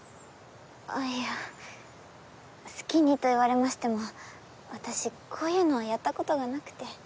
あっいや好きにと言われましても私こういうのはやったことがなくて。